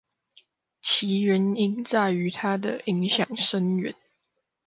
其原因在於它的影響深遠